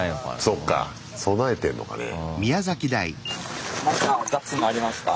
そうか備えてんのかねえ。